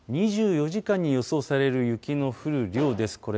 ２４時間に予想される雪の降る量です。